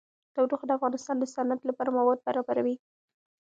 تودوخه د افغانستان د صنعت لپاره مواد برابروي.